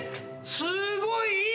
すごいいい生地。